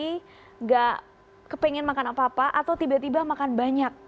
jadi nggak kepengen makan apa apa atau tiba tiba makan banyak